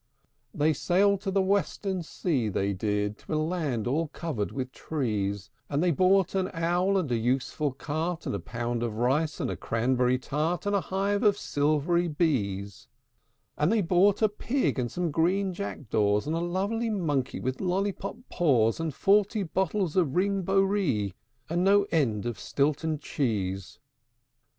V. They sailed to the Western Sea, they did, To a land all covered with trees: And they bought an owl, and a useful cart, And a pound of rice, and a cranberry tart, And a hive of silvery bees; And they bought a pig, and some green jackdaws, And a lovely monkey with lollipop paws, And forty bottles of ring bo ree, And no end of Stilton cheese.